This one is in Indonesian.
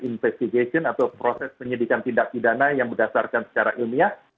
investigation atau proses penyidikan tindak pidana yang berdasarkan secara ilmiah